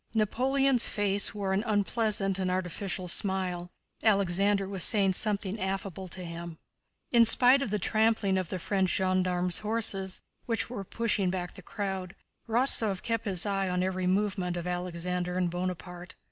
Napoleon's face wore an unpleasant and artificial smile. Alexander was saying something affable to him. In spite of the trampling of the French gendarmes' horses, which were pushing back the crowd, Rostóv kept his eyes on every movement of Alexander and Bonaparte.